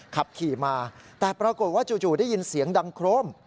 ขับขี่มาแต่ปรากฏว่าจู่ได้ยินเสียงดังโครม